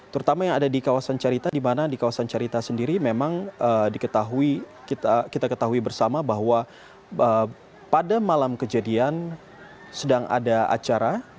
terutama yang ada di kawasan cerita di mana di kawasan cerita sendiri memang kita ketahui bersama bahwa pada malam kejadian sedang ada acara